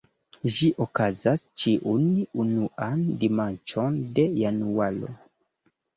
Ĝi okazas ĉiun unuan dimanĉon de januaro.